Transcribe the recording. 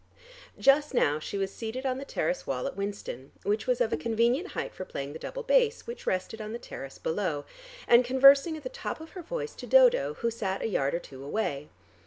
Just now she was seated on the terrace wall at Winston, which was of a convenient height for playing the double bass, which rested on the terrace below, and conversing at the top of her voice to Dodo who sat a yard or two away.